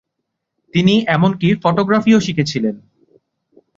তিনি এমনকি ফটোগ্রাফিও শিখেছিলেন।